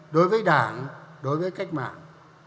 đối với đảng đối với cách mạng